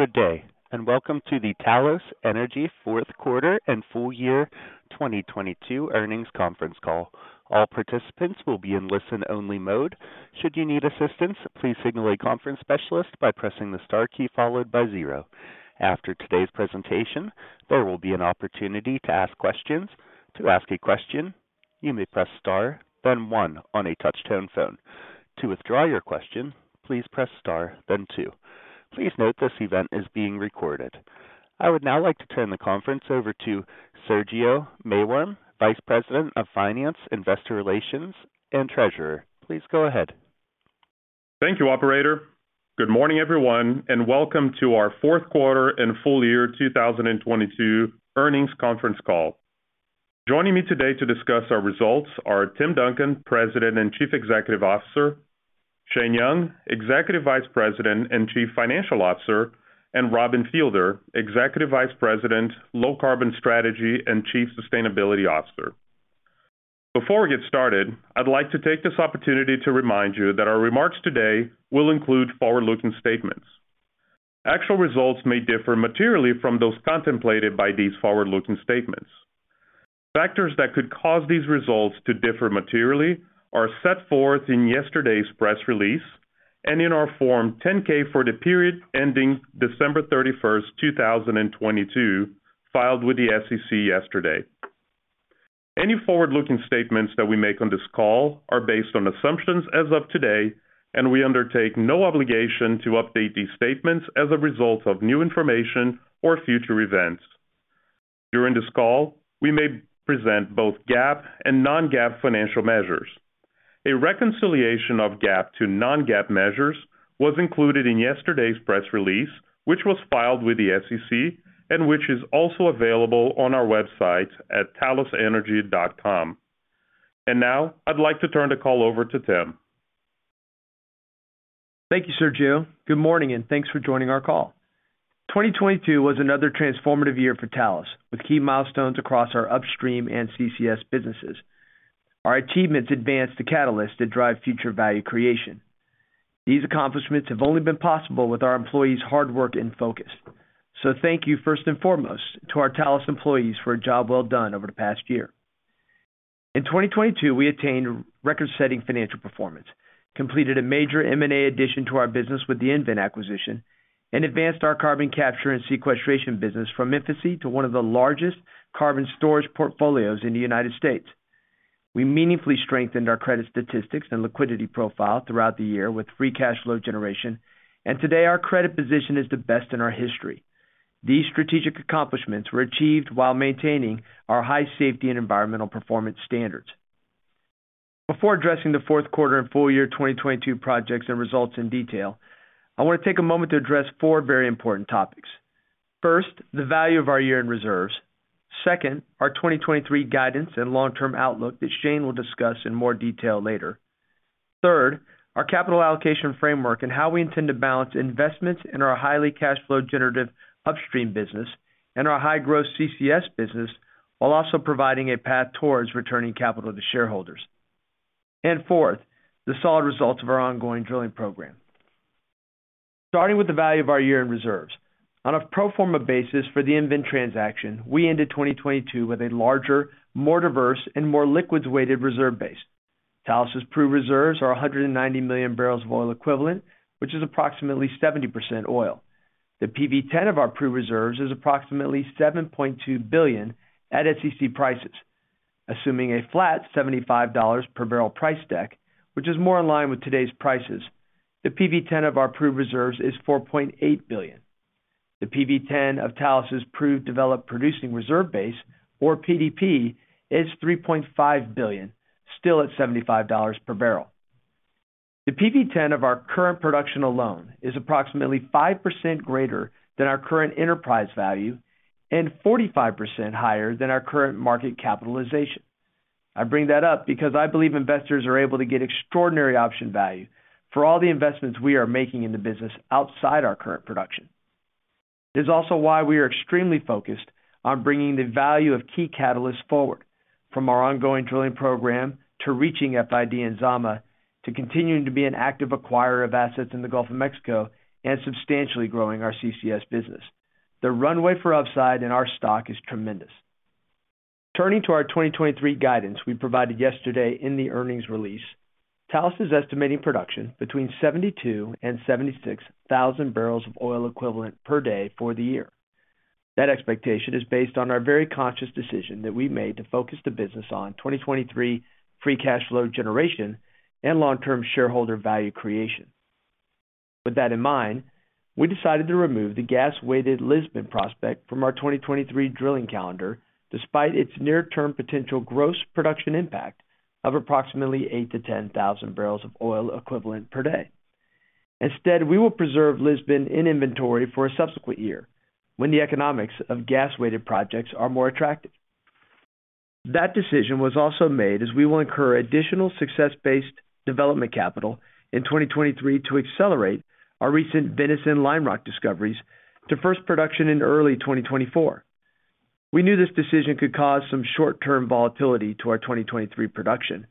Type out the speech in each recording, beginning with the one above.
Good day, and welcome to the Talos Energy Fourth Quarter and Full Year 2022 Earnings Conference Call. All participants will be in listen-only mode. Should you need assistance, please signal a conference specialist by pressing the star key followed by zero. After today's presentation, there will be an opportunity to ask questions. To ask a question, you may press star, then one on a touch-tone phone. To withdraw your question, please press star, then two. Please note this event is being recorded. I would now like to turn the conference over to Sergio Maiworm, Vice President of Finance, Investor Relations, and Treasurer. Please go ahead. Thank you, operator. Good morning, everyone, and welcome to our fourth quarter and full year 2022 earnings conference call. Joining me today to discuss our results are Tim Duncan, President and Chief Executive Officer, Shane Young, Executive Vice President and Chief Financial Officer, and Robin Fielder, Executive Vice President, Low Carbon Strategy and Chief Sustainability Officer. Before we get started, I'd like to take this opportunity to remind you that our remarks today will include forward-looking statements. Actual results may differ materially from those contemplated by these forward-looking statements. Factors that could cause these results to differ materially are set forth in yesterday's press release and in our Form 10-K for the period ending December 31st, 2022, filed with the SEC yesterday. Any forward-looking statements that we make on this call are based on assumptions as of today, and we undertake no obligation to update these statements as a result of new information or future events. During this call, we may present both GAAP and non-GAAP financial measures. A reconciliation of GAAP to non-GAAP measures was included in yesterday's press release, which was filed with the SEC and which is also available on our website at talosenergy.com. Now I'd like to turn the call over to Tim. Thank you, Sergio. Good morning, thanks for joining our call. 2022 was another transformative year for Talos, with key milestones across our upstream and CCS businesses. Our achievements advanced the catalyst that drive future value creation. These accomplishments have only been possible with our employees' hard work and focus. Thank you first and foremost to our Talos employees for a job well done over the past year. In 2022, we attained record-setting financial performance, completed a major M&A addition to our business with the EnVen acquisition, and advanced our carbon capture and sequestration business from infancy to one of the largest carbon storage portfolios in the United States. We meaningfully strengthened our credit statistics and liquidity profile throughout the year with free cash flow generation, and today our credit position is the best in our history. These strategic accomplishments were achieved while maintaining our high safety and environmental performance standards. Before addressing the fourth quarter and full year 2022 projects and results in detail, I wanna take a moment to address four very important topics. First, the value of our year-end reserves. Second, our 2023 guidance and long-term outlook that Shane will discuss in more detail later. Third, our capital allocation framework and how we intend to balance investments in our highly cash flow generative upstream business and our high-growth CCS business while also providing a path towards returning capital to shareholders. Fourth, the solid results of our ongoing drilling program. Starting with the value of our year-end reserves. On a pro forma basis for the EnVen transaction, we ended 2022 with a larger, more diverse, and more liquids-weighted reserve base. Talos's proved reserves are 190 million barrels of oil equivalent, which is approximately 70% oil. The PV-10 of our proved reserves is approximately $7.2 billion at SEC prices. Assuming a flat $75 per barrel price deck, which is more in line with today's prices, the PV-10 of our proved reserves is $4.8 billion. The PV-10 of Talos's proved developed producing reserve base, or PDP, is $3.5 billion, still at $75 per barrel. The PV-10 of our current production alone is approximately 5% greater than our current enterprise value and 45% higher than our current market capitalization. I bring that up because I believe investors are able to get extraordinary option value for all the investments we are making in the business outside our current production. It is also why we are extremely focused on bringing the value of key catalysts forward, from our ongoing drilling program to reaching FID in Zama, to continuing to be an active acquirer of assets in the Gulf of Mexico and substantially growing our CCS business. The runway for upside in our stock is tremendous. Turning to our 2023 guidance we provided yesterday in the earnings release, Talos is estimating production between 72,000 and 76,000 barrels of oil equivalent per day for the year. That expectation is based on our very conscious decision that we made to focus the business on 2023 free cash flow generation and long-term shareholder value creation. With that in mind, we decided to remove the gas-weighted Lisbon prospect from our 2023 drilling calendar despite its near-term potential gross production impact of approximately 8,000-10,000 BOE per day. Instead, we will preserve Lisbon in inventory for a subsequent year when the economics of gas-weighted projects are more attractive. That decision was also made as we will incur additional success-based development capital in 2023 to accelerate our recent Venice Lime Rock discoveries to first production in early 2024. We knew this decision could cause some short-term volatility to our 2023 production,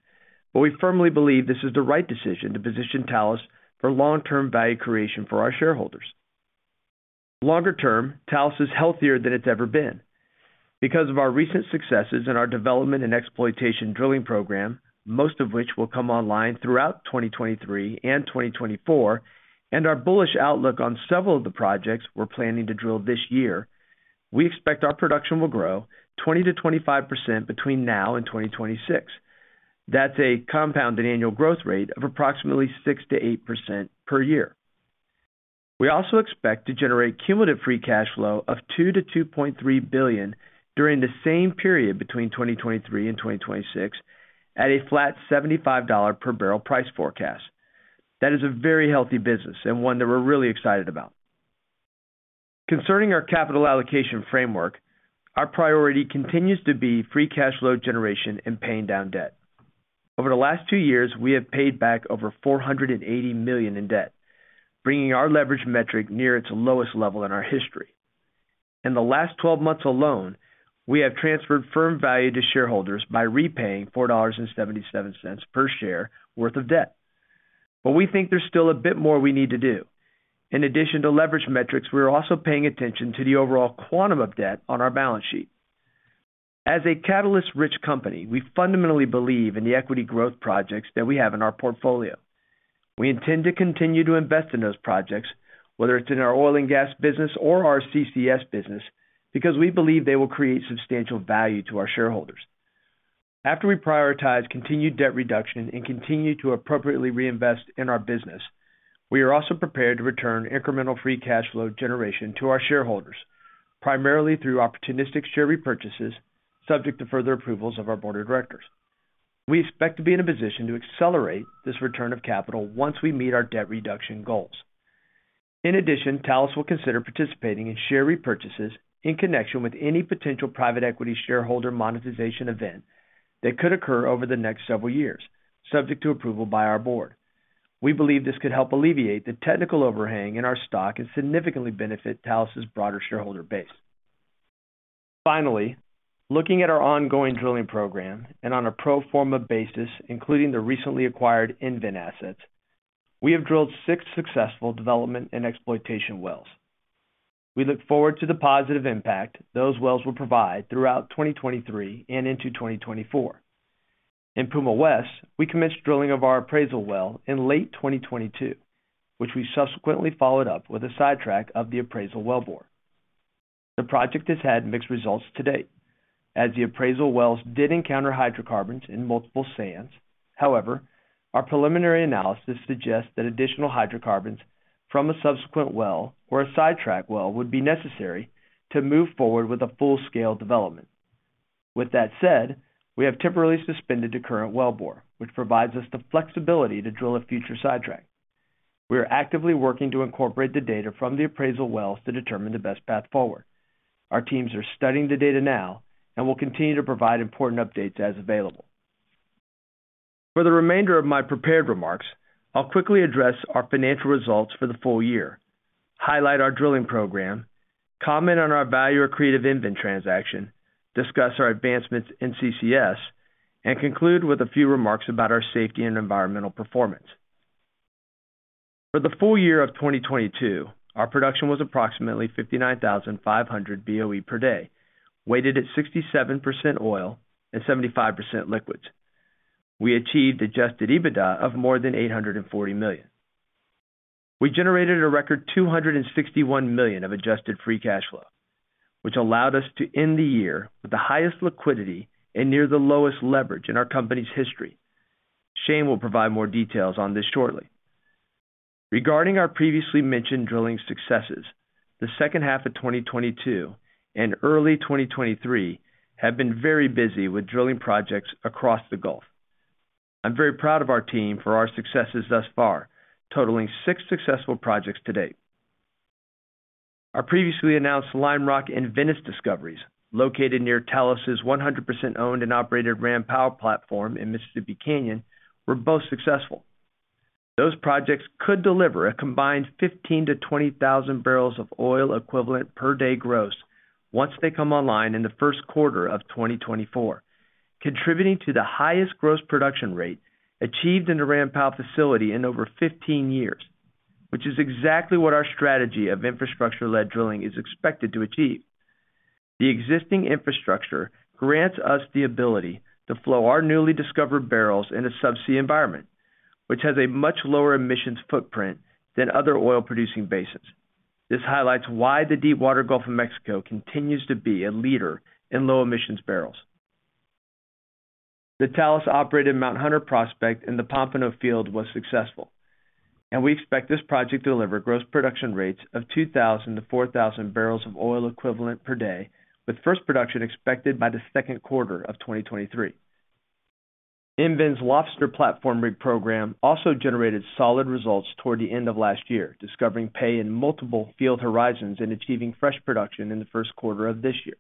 but we firmly believe this is the right decision to position Talos for long-term value creation for our shareholders. Longer term, Talos is healthier than it's ever been. Because of our recent successes in our development and exploitation drilling program, most of which will come online throughout 2023 and 2024, and our bullish outlook on several of the projects we're planning to drill this year, we expect our production will grow 20%-25% between now and 2026. That's a compounded annual growth rate of approximately 6%-8% per year. We also expect to generate cumulative free cash flow of $2 billion-$2.3 billion during the same period between 2023 and 2026 at a flat $75 per barrel price forecast. That is a very healthy business and one that we're really excited about. Concerning our capital allocation framework, our priority continues to be free cash flow generation and paying down debt. Over the last two years, we have paid back over $480 million in debt, bringing our leverage metric near its lowest level in our history. In the last 12 months alone, we have transferred firm value to shareholders by repaying $4.77 per share worth of debt. We think there's still a bit more we need to do. In addition to leverage metrics, we're also paying attention to the overall quantum of debt on our balance sheet. As a catalyst-rich company, we fundamentally believe in the equity growth projects that we have in our portfolio. We intend to continue to invest in those projects, whether it's in our oil and gas business or our CCS business, because we believe they will create substantial value to our shareholders. After we prioritize continued debt reduction and continue to appropriately reinvest in our business, we are also prepared to return incremental free cash flow generation to our shareholders, primarily through opportunistic share repurchases, subject to further approvals of our board of directors. We expect to be in a position to accelerate this return of capital once we meet our debt reduction goals. In addition, Talos will consider participating in share repurchases in connection with any potential private equity shareholder monetization event that could occur over the next several years, subject to approval by our board. We believe this could help alleviate the technical overhang in our stock and significantly benefit Talos' broader shareholder base. Finally, looking at our ongoing drilling program and on a pro forma basis, including the recently acquired EnVen assets, we have drilled six successful development and exploitation wells. We look forward to the positive impact those wells will provide throughout 2023 and into 2024. In Puma West, we commenced drilling of our appraisal well in late 2022, which we subsequently followed up with a sidetrack of the appraisal wellbore. The project has had mixed results to date, as the appraisal wells did encounter hydrocarbons in multiple sands. Our preliminary analysis suggests that additional hydrocarbons from a subsequent well or a sidetrack well would be necessary to move forward with a full-scale development. That said, we have temporarily suspended the current wellbore, which provides us the flexibility to drill a future sidetrack. We are actively working to incorporate the data from the appraisal wells to determine the best path forward. Our teams are studying the data now and will continue to provide important updates as available. For the remainder of my prepared remarks, I'll quickly address our financial results for the full year, highlight our drilling program, comment on our value-accretive EnVen transaction, discuss our advancements in CCS, and conclude with a few remarks about our safety and environmental performance. For the full year of 2022, our production was approximately 59,500 BOE per day, weighted at 67% oil and 75% liquids. We achieved Adjusted EBITDA of more than $840 million. We generated a record $261 million of adjusted free cash flow, which allowed us to end the year with the highest liquidity and near the lowest leverage in our company's history. Shane will provide more details on this shortly. Regarding our previously mentioned drilling successes, the second half of 2022 and early 2023 have been very busy with drilling projects across the Gulf. I'm very proud of our team for our successes thus far, totaling 6 successful projects to date. Our previously announced Lime Rock and Venice discoveries, located near Talos's 100% owned and operated Ram Powell platform in Mississippi Canyon, were both successful. Those projects could deliver a combined 15,000-20,000 barrels of oil equivalent per day gross once they come online in the first quarter of 2024, contributing to the highest gross production rate achieved in the Ram Powell facility in over 15 years, which is exactly what our strategy of infrastructure-led drilling is expected to achieve. The existing infrastructure grants us the ability to flow our newly discovered barrels in a subsea environment, which has a much lower emissions footprint than other oil-producing basins. This highlights why the deep water Gulf of Mexico continues to be a leader in low emissions barrels. The Talos-operated Mount Hunter prospect in the Pompano field was successful. We expect this project to deliver gross production rates of 2,000 to 4,000 barrels of oil equivalent per day, with first production expected by the second quarter of 2023. EnVen's Lobster platform rig program also generated solid results toward the end of last year, discovering pay in multiple field horizons and achieving fresh production in the first quarter of this year.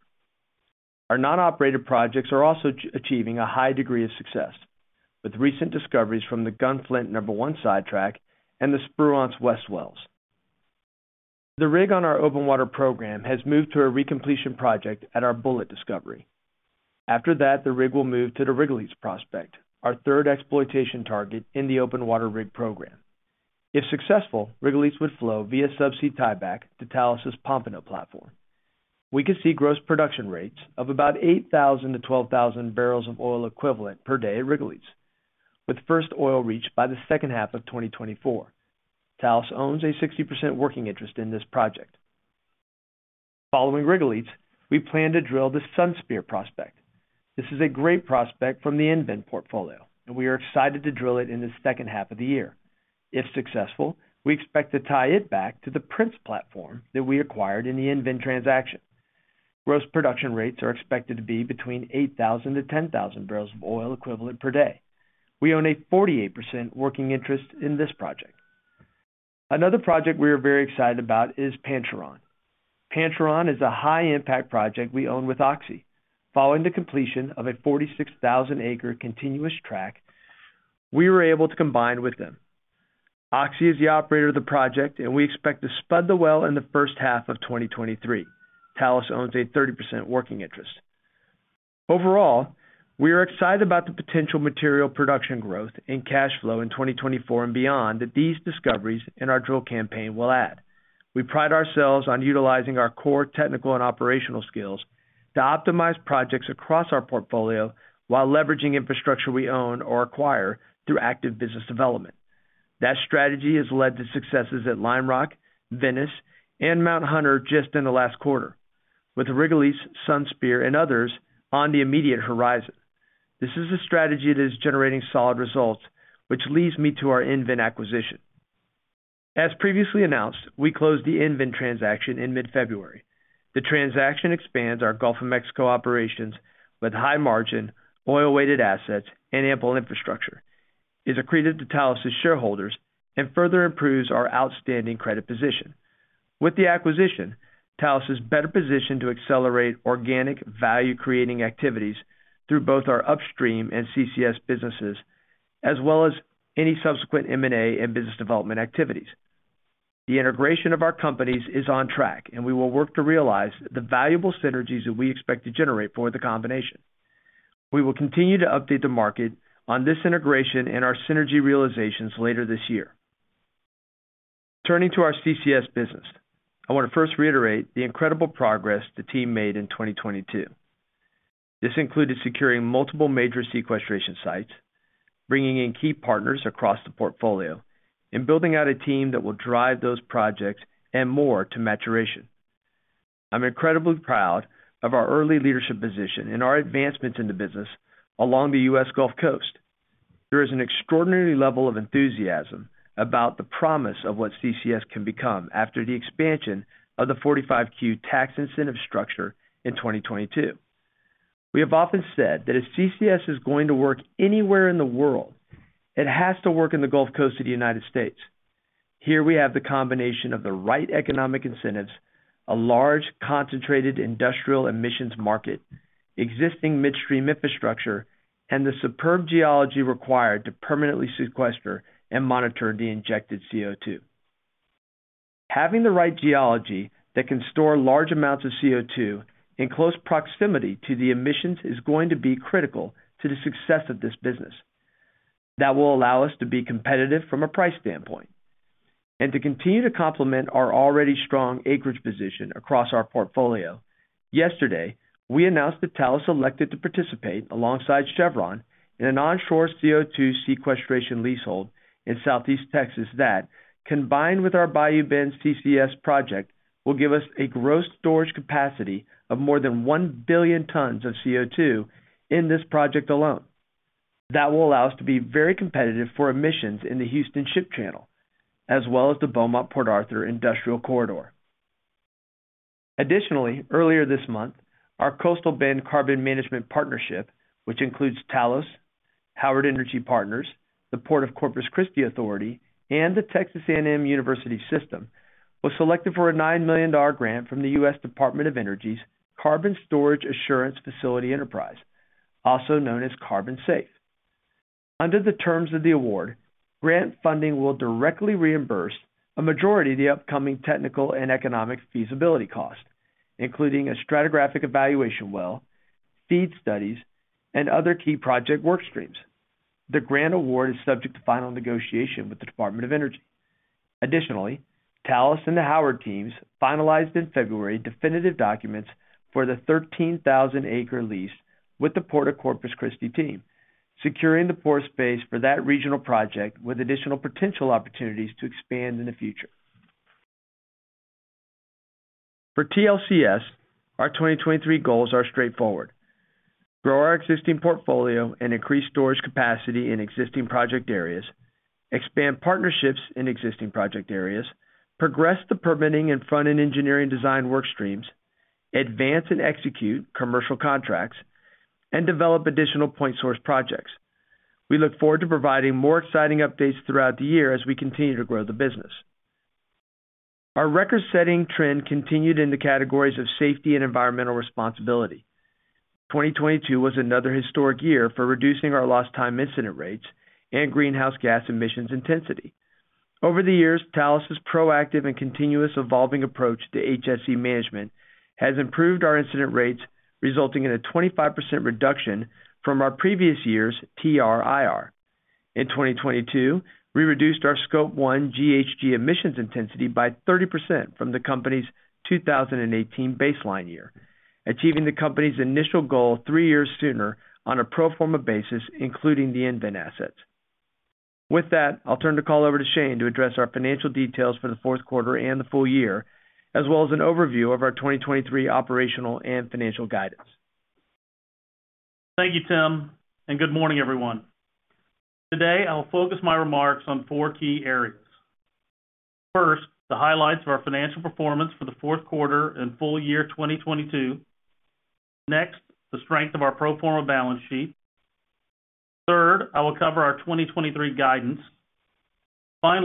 Our non-operated projects are also achieving a high degree of success with recent discoveries from the Gunflint number 1 sidetrack and the Spruance West wells. The rig on our open water program has moved to a recompletion project at our Bulleit discovery. After that, the rig will move to the Rigolets prospect, our third exploitation target in the open water rig program. If successful, Rigolets would flow via subsea tieback to Talos' Pompano platform. We could see gross production rates of about 8,000-12,000 barrels of oil equivalent per day at Rigolets, with first oil reached by the second half of 2024. Talos owns a 60% working interest in this project. Following Rigolets, we plan to drill the Sunspear prospect. This is a great prospect from the EnVen portfolio, and we are excited to drill it in the second half of the year. If successful, we expect to tie it back to the Prince platform that we acquired in the EnVen transaction. Gross production rates are expected to be between 8,000-10,000 BOE per day. We own a 48% working interest in this project. Another project we are very excited about is Pancheron. Pancheron is a high impact project we own with Oxy. Following the completion of a 46,000 acre continuous track, we were able to combine with them. Oxy is the operator of the project and we expect to spud the well in the first half of 2023. Talos owns a 30% working interest. Overall, we are excited about the potential material production growth and cash flow in 2024 and beyond that these discoveries in our drill campaign will add. We pride ourselves on utilizing our core technical and operational skills to optimize projects across our portfolio while leveraging infrastructure we own or acquire through active business development. That strategy has led to successes at Lime Rock, Venice and Mount Hunter just in the last quarter, with Rigolets, Sunspear and others on the immediate horizon. This is a strategy that is generating solid results, which leads me to our EnVen acquisition. As previously announced, we closed the EnVen transaction in mid-February. The transaction expands our Gulf of Mexico operations with high margin, oil-weighted assets and ample infrastructure, is accreted to Talos' shareholders and further improves our outstanding credit position. With the acquisition, Talos is better positioned to accelerate organic value creating activities through both our upstream and CCS businesses as well as any subsequent M&A and business development activities. The integration of our companies is on track. We will work to realize the valuable synergies that we expect to generate for the combination. We will continue to update the market on this integration and our synergy realizations later this year. Turning to our CCS business, I want to first reiterate the incredible progress the team made in 2022. This included securing multiple major sequestration sites, bringing in key partners across the portfolio, and building out a team that will drive those projects and more to maturation. I'm incredibly proud of our early leadership position and our advancements in the business along the U.S. Gulf Coast. There is an extraordinary level of enthusiasm about the promise of what CCS can become after the expansion of the 45Q tax incentive structure in 2022. We have often said that if CCS is going to work anywhere in the world, it has to work in the Gulf Coast of the United States. Here we have the combination of the right economic incentives, a large concentrated industrial emissions market, existing midstream infrastructure, and the superb geology required to permanently sequester and monitor the injected CO2. Having the right geology that can store large amounts of CO2 in close proximity to the emissions is going to be critical to the success of this business. That will allow us to be competitive from a price standpoint. To continue to complement our already strong acreage position across our portfolio, yesterday, we announced that Talos elected to participate alongside Chevron in an onshore CO2 sequestration leasehold in Southeast Texas that, combined with our Bayou Bend CCS project, will give us a gross storage capacity of more than 1 billion tons of CO2 in this project alone. That will allow us to be very competitive for emissions in the Houston Ship Channel, as well as the Beaumont Port Arthur Industrial Corridor. Earlier this month, our Coastal Bend Carbon Management Partnership, which includes Talos, Howard Energy Partners, the Port of Corpus Christi Authority, and the Texas A&M University System, was selected for a $9 million grant from the U.S. Department of Energy's Carbon Storage Assurance Facility Enterprise, also known as CarbonSAFE. Under the terms of the award, grant funding will directly reimburse a majority of the upcoming technical and economic feasibility costs, including a stratigraphic evaluation well, FEED studies and other key project work streams. The grant award is subject to final negotiation with the Department of Energy. Talos and the Howard teams finalized in February definitive documents for the 13,000 acre lease with the Port of Corpus Christi team, securing the port space for that regional project with additional potential opportunities to expand in the future. For TLCS, our 2023 goals are straightforward: grow our existing portfolio and increase storage capacity in existing project areas, expand partnerships in existing project areas, progress the permitting and front-end engineering design work streams, advance and execute commercial contracts, and develop additional point source projects. We look forward to providing more exciting updates throughout the year as we continue to grow the business. Our record-setting trend continued in the categories of safety and environmental responsibility. 2022 was another historic year for reducing our lost time incident rates and greenhouse gas emissions intensity. Over the years, Talos's proactive and continuous evolving approach to HSE management has improved our incident rates, resulting in a 25% reduction from our previous year's TRIR. In 2022, we reduced our Scope 1 GHG emissions intensity by 30% from the company's 2018 baseline year, achieving the company's initial goal three years sooner on a pro forma basis, including the EnVen assets. I'll turn the call over to Shane to address our financial details for the fourth quarter and the full year, as well as an overview of our 2023 operational and financial guidance. Thank you, Tim. Good morning, everyone. Today, I will focus my remarks on four key areas. First, the highlights of our financial performance for the fourth quarter and full year 2022. The strength of our pro forma balance sheet. Third, I will cover our 2023 guidance. I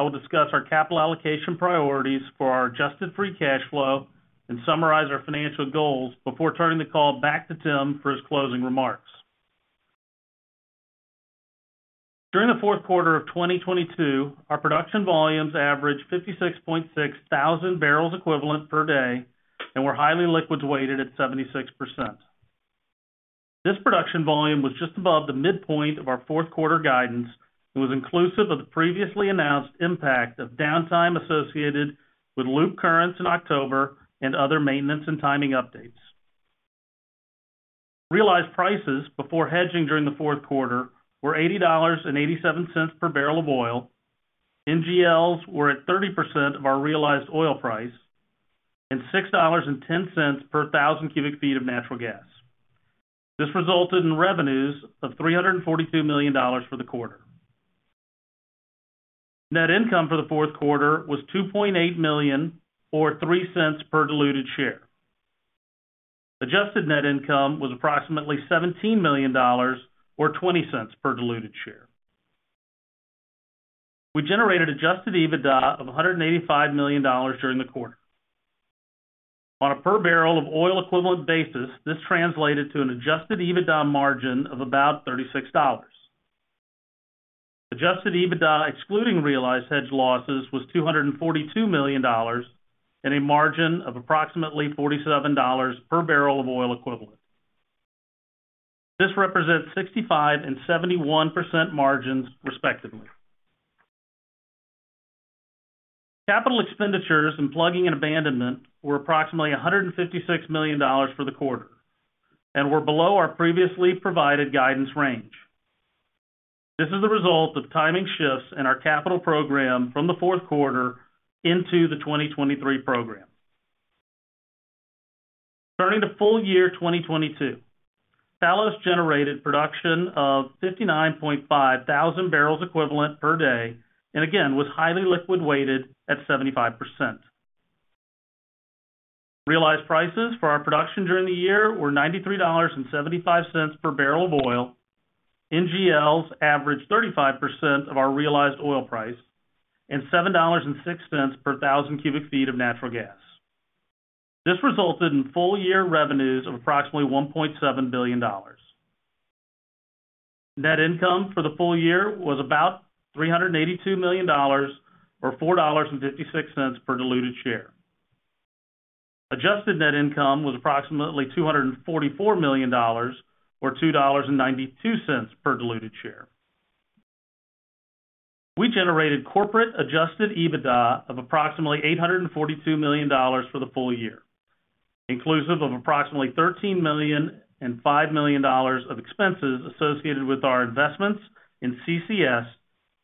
will discuss our capital allocation priorities for our adjusted free cash flow and summarize our financial goals before turning the call back to Tim for his closing remarks. During the fourth quarter of 2022, our production volumes averaged 56.6 thousand barrels equivalent per day and were highly liquids weighted at 76%. This production volume was just above the midpoint of our fourth quarter guidance and was inclusive of the previously announced impact of downtime associated with loop currents in October and other maintenance and timing updates. Realized prices before hedging during the fourth quarter were $80.87 per barrel of oil. NGLs were at 30% of our realized oil price, and $6.10 per thousand cubic feet of natural gas. This resulted in revenues of $342 million for the quarter. Net income for the fourth quarter was $2.8 million or $0.03 per diluted share. Adjusted net income was approximately $17 million or $0.20 per diluted share. We generated Adjusted EBITDA of $185 million during the quarter. On a per barrel of oil equivalent basis, this translated to an Adjusted EBITDA margin of about $36. Adjusted EBITDA, excluding realized hedge losses, was $242 million, and a margin of approximately $47 per barrel of oil equivalent. This represents 65% and 71% margins, respectively. Capital expenditures and plugging and abandonment were approximately $156 million for the quarter, and were below our previously provided guidance range. This is a result of timing shifts in our capital program from the fourth quarter into the 2023 program. Turning to full year 2022, Talos generated production of 59.5 thousand barrels equivalent per day, and again, was highly liquid weighted at 75%. Realized prices for our production during the year were $93.75 per barrel of oil. NGLs averaged 35% of our realized oil price, and $7.06 per thousand cubic feet of natural gas. This resulted in full-year revenues of approximately $1.7 billion. Net income for the full year was about $382 million or $4.56 per diluted share. Adjusted net income was approximately $244 million or $2.92 per diluted share. We generated corporate Adjusted EBITDA of approximately $842 million for the full year, inclusive of approximately $13 million and $5 million of expenses associated with our investments in CCS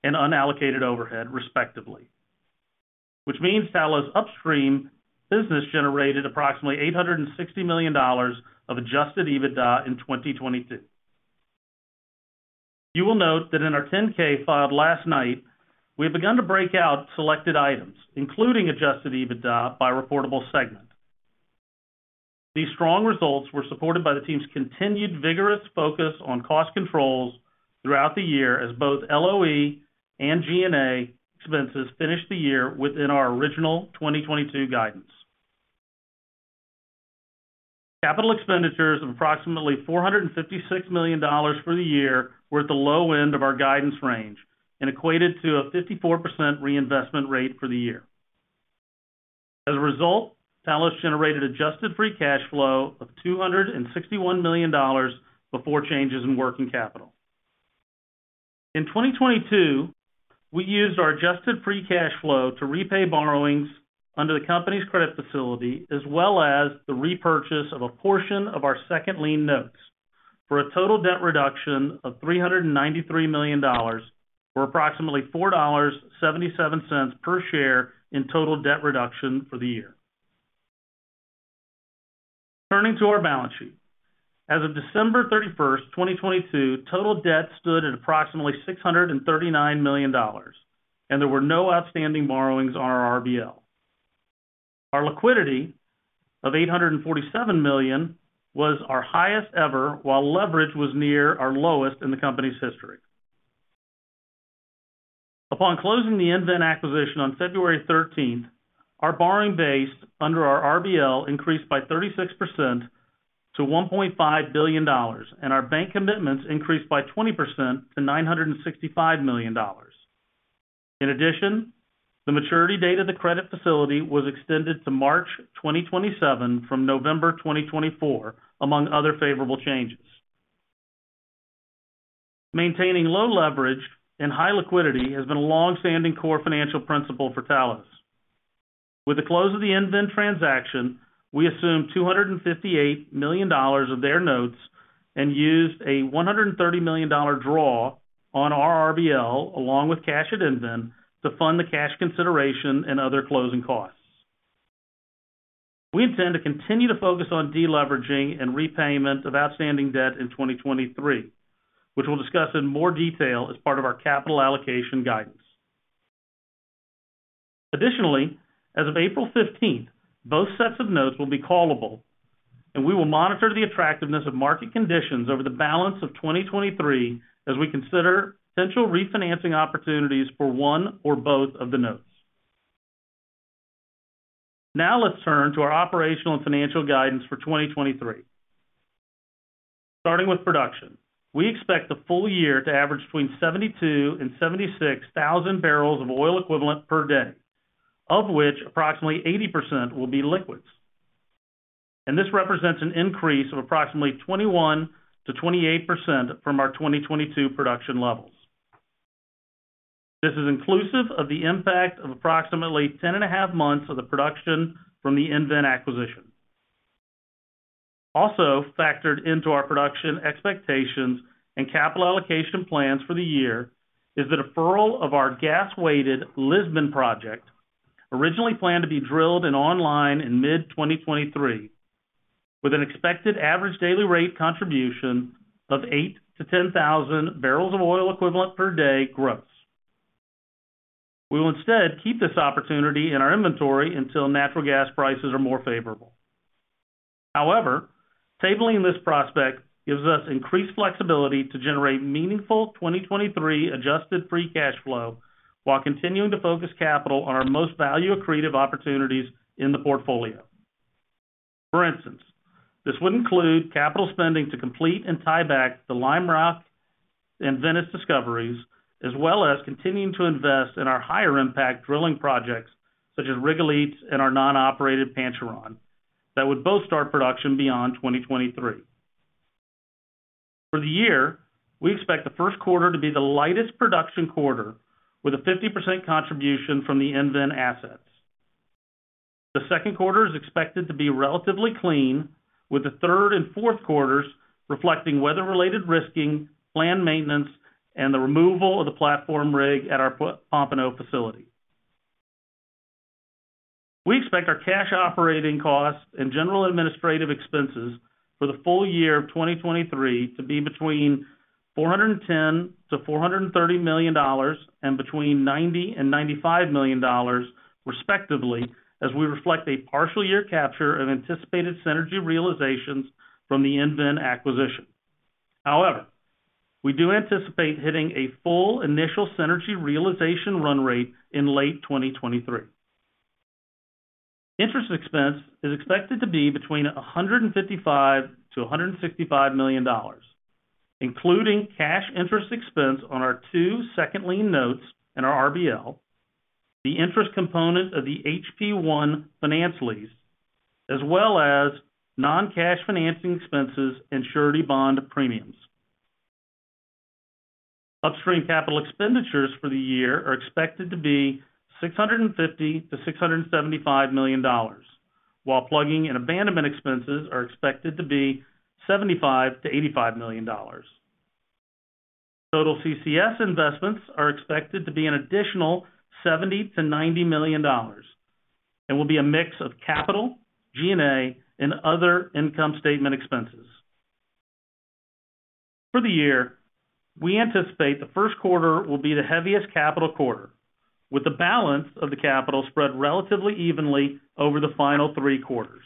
and unallocated overhead, respectively. Which means Talos upstream business generated approximately $860 million of Adjusted EBITDA in 2022. You will note that in our 10-K filed last night, we have begun to break out selected items, including Adjusted EBITDA by reportable segment. These strong results were supported by the team's continued vigorous focus on cost controls throughout the year, as both LOE and G&A expenses finished the year within our original 2022 guidance. Capital expenditures of approximately $456 million for the year were at the low end of our guidance range and equated to a 54% reinvestment rate for the year. Talos generated Adjusted Free Cash Flow of $261 million before changes in working capital. In 2022, we used our Adjusted Free Cash Flow to repay borrowings under the company's credit facility, as well as the repurchase of a portion of our second lien notes for a total debt reduction of $393 million, or approximately $4.77 per share in total debt reduction for the year. Turning to our balance sheet. As of December 31, 2022, total debt stood at approximately $639 million. There were no outstanding borrowings on our RBL. Our liquidity of $847 million was our highest ever while leverage was near our lowest in the company's history. Upon closing the EnVen acquisition on February 13, our borrowing base under our RBL increased by 36% to $1.5 billion. Our bank commitments increased by 20% to $965 million. In addition, the maturity date of the credit facility was extended to March 2027 from November 2024, among other favorable changes. Maintaining low leverage and high liquidity has been a long-standing core financial principle for Talos. With the close of the EnVen transaction, we assumed $258 million of their notes and used a $130 million draw on our RBL along with cash at EnVen to fund the cash consideration and other closing costs. We intend to continue to focus on deleveraging and repayment of outstanding debt in 2023, which we'll discuss in more detail as part of our capital allocation guidance. Additionally, as of April 15th, both sets of notes will be callable, and we will monitor the attractiveness of market conditions over the balance of 2023 as we consider potential refinancing opportunities for one or both of the notes. Let's turn to our operational and financial guidance for 2023. Starting with production, we expect the full year to average between 72,000 and 76,000 barrels of oil equivalent per day, of which approximately 80% will be liquids. This represents an increase of approximately 21%-28% from our 2022 production levels. This is inclusive of the impact of approximately 10 and a half months of the production from the EnVen acquisition. Also factored into our production expectations and capital allocation plans for the year is the deferral of our gas-weighted Lisbon project, originally planned to be drilled and online in mid-2023, with an expected average daily rate contribution of 8,000-10,000 barrels of oil equivalent per day gross. We will instead keep this opportunity in our inventory until natural gas prices are more favorable. However, tabling this prospect gives us increased flexibility to generate meaningful 2023 adjusted free cash flow while continuing to focus capital on our most value accretive opportunities in the portfolio. For instance, this would include capital spending to complete and tieback the Lime Rock and Venice discoveries, as well as continuing to invest in our higher impact drilling projects such as Rigolets and our non-operated Pancheron that would both start production beyond 2023. For the year, we expect the first quarter to be the lightest production quarter with a 50% contribution from the EnVen assets. The second quarter is expected to be relatively clean, with the third and fourth quarters reflecting weather-related risking, planned maintenance, and the removal of the platform rig at our Pompano facility. We expect our cash operating costs and general administrative expenses for the full year of 2023 to be between $410 million-$430 million and between $90 million-$95 million respectively, as we reflect a partial year capture of anticipated synergy realizations from the EnVen acquisition. We do anticipate hitting a full initial synergy realization run rate in late 2023. Interest expense is expected to be between $155 million-$165 million, including cash interest expense on our two second lien notes in our RBL, the interest component of the HP-1 finance lease, as well as non-cash financing expenses and surety bond premiums. Upstream capital expenditures for the year are expected to be $650 million-$675 million, while plugging and abandonment expenses are expected to be $75 million-$85 million. Total CCS investments are expected to be an additional $70 million-$90 million and will be a mix of capital, G&A, and other income statement expenses. For the year, we anticipate the first quarter will be the heaviest capital quarter, with the balance of the capital spread relatively evenly over the final three quarters.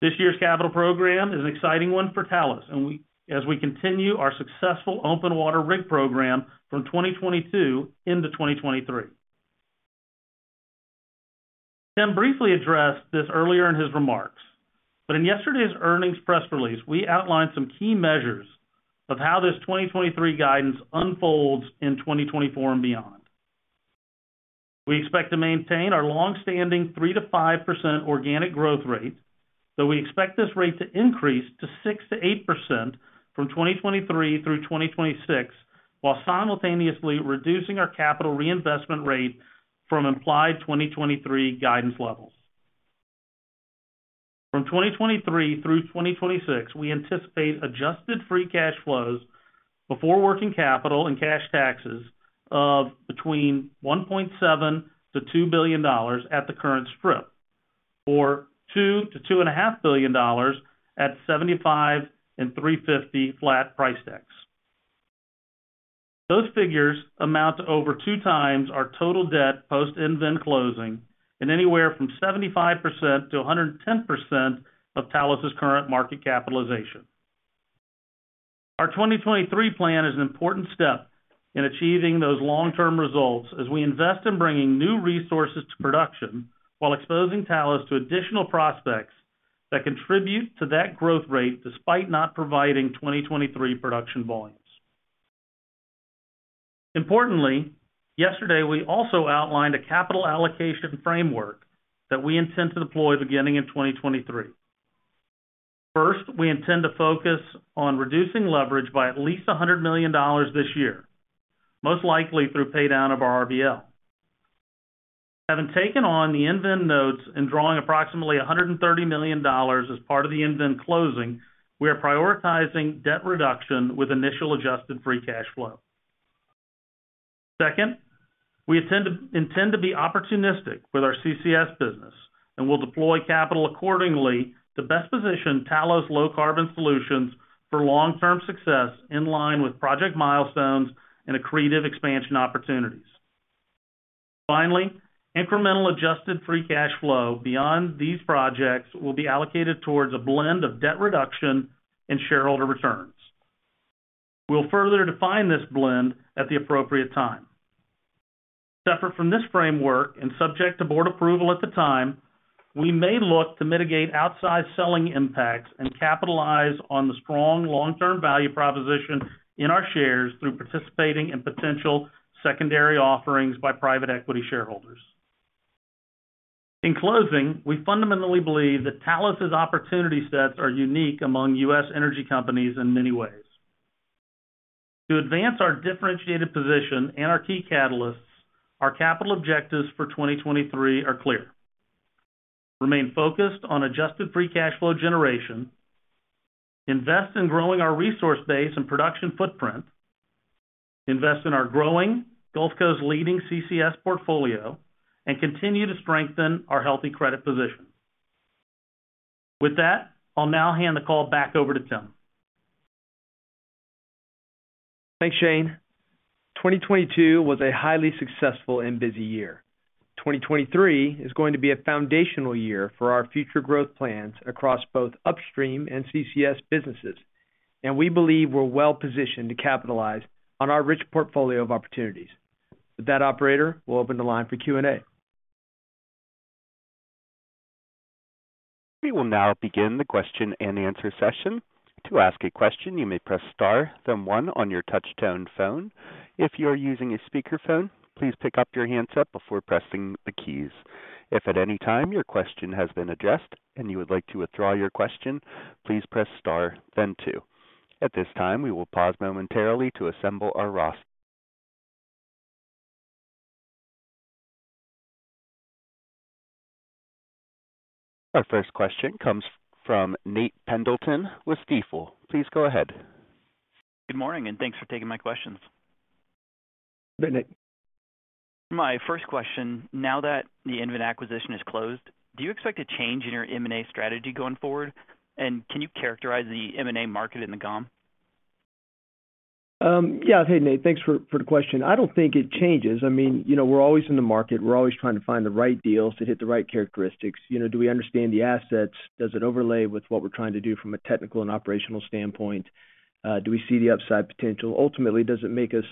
This year's capital program is an exciting one for Talos Energy as we continue our successful open water rig program from 2022 into 2023. Tim briefly addressed this earlier in his remarks, but in yesterday's earnings press release, we outlined some key measures of how this 2023 guidance unfolds in 2024 and beyond. We expect to maintain our long-standing 3%-5% organic growth rate, though we expect this rate to increase to 6%-8% from 2023 through 2026, while simultaneously reducing our capital reinvestment rate from implied 2023 guidance levels. From 2023 through 2026, we anticipate Adjusted Free Cash Flows before working capital and cash taxes of between $1.7 billion-$2 billion at the current strip, or $2 billion-$2.5 billion at $75 and $3.50 flat price decks. Those figures amount to over 2 times our total debt post EnVen closing and anywhere from 75% to 110% of Talos's current market capitalization. Our 2023 plan is an important step in achieving those long-term results as we invest in bringing new resources to production while exposing Talos to additional prospects that contribute to that growth rate despite not providing 2023 production volumes. Importantly, yesterday, we also outlined a capital allocation framework that we intend to deploy beginning in 2023. First, we intend to focus on reducing leverage by at least $100 million this year, most likely through pay down of our RBL. Having taken on the EnVen notes and drawing approximately $130 million as part of the EnVen closing, we are prioritizing debt reduction with initial adjusted free cash flow. Second, we intend to be opportunistic with our CCS business and will deploy capital accordingly to best position Talos' low carbon solutions for long-term success in line with project milestones and accretive expansion opportunities. Finally, incremental Adjusted free cash flow beyond these projects will be allocated towards a blend of debt reduction and shareholder returns. We'll further define this blend at the appropriate time. Separate from this framework and subject to board approval at the time, we may look to mitigate outside selling impacts and capitalize on the strong long-term value proposition in our shares through participating in potential secondary offerings by private equity shareholders. In closing, we fundamentally believe that Talos' opportunity sets are unique among U.S. energy companies in many ways. To advance our differentiated position and our key catalysts, our capital objectives for 2023 are clear. Remain focused on adjusted free cash flow generation, invest in growing our resource base and production footprint, invest in our growing Gulf Coast leading CCS portfolio, and continue to strengthen our healthy credit position. With that, I'll now hand the call back over to Tim. Thanks, Shane. 2022 was a highly successful and busy year. 2023 is going to be a foundational year for our future growth plans across both upstream and CCS businesses, and we believe we're well-positioned to capitalize on our rich portfolio of opportunities. With that, operator, we'll open the line for Q&A. We will now begin the question-and-answer session. To ask a question, you may press star, then one on your touch-tone phone. If you are using a speakerphone, please pick up your handset before pressing the keys. If at any time your question has been addressed and you would like to withdraw your question, please press star then two. At this time, we will pause momentarily to assemble our roster. Our first question comes from Nate Pendleton with Stifel. Please go ahead. Good morning. Thanks for taking my questions. Good day. My first question, now that the EnVen acquisition is closed, do you expect a change in your M&A strategy going forward? Can you characterize the M&A market in the GOM? Yeah. Hey, Nate, thanks for the question. I don't think it changes. I mean, you know, we're always in the market. We're always trying to find the right deals to hit the right characteristics. You know, do we understand the assets? Does it overlay with what we're trying to do from a technical and operational standpoint? Do we see the upside potential? Ultimately, does it make us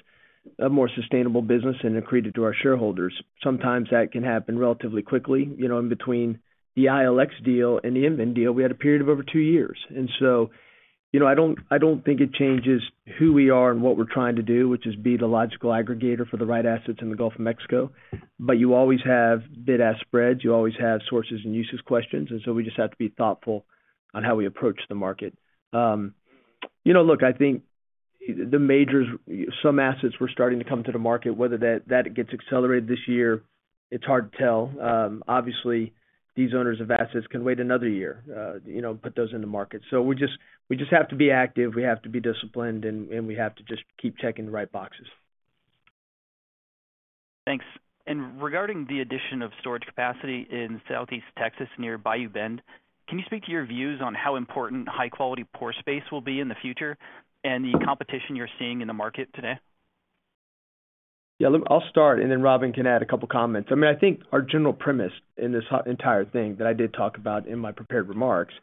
a more sustainable business and accretive to our shareholders? Sometimes that can happen relatively quickly. You know, in between the ILX deal and the EnVen deal, we had a period of over 2 years. You know, I don't think it changes who we are and what we're trying to do, which is be the logical aggregator for the right assets in the Gulf of Mexico. You always have bid-ask spreads. You always have sources and uses questions. We just have to be thoughtful on how we approach the market. You know, look, I think the majors, some assets were starting to come to the market, whether that gets accelerated this year, it's hard to tell. Obviously, these owners of assets can wait another year, you know, put those in the market. We just have to be active, we have to be disciplined, and we have to just keep checking the right boxes. Thanks. Regarding the addition of storage capacity in Southeast Texas near Bayou Bend, can you speak to your views on how important high-quality pore space will be in the future and the competition you're seeing in the market today? Yeah, I'll start. Robin can add a couple of comments. I mean, I think our general premise in this entire thing that I did talk about in my prepared remarks